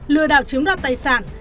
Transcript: lừa đảo chiếm đoạt tài sản